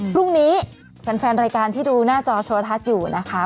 พรุ่งนี้แฟนรายการที่ดูหน้าจอโทรทัศน์อยู่นะคะ